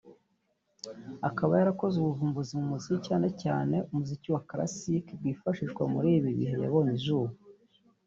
akaba yarakoze ubuvumbuzi mu muziki (cyane cyane umuziki wa Classic) bwifashishwa muri ibi bihe yabonye izuba